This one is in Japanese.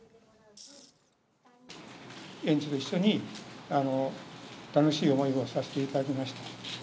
園児と一緒に楽しい思いをさせていただきました。